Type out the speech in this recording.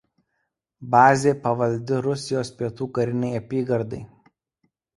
Bazė pavaldi Rusijos Pietų karinei apygardai.